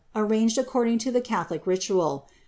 arranged according lo die catholic riuial.